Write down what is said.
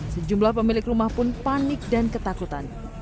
sejumlah pemilik rumah pun panik dan ketakutan